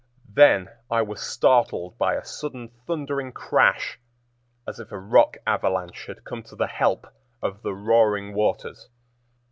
Then I was startled by a sudden thundering crash as if a rock avalanche had come to the help of the roaring waters.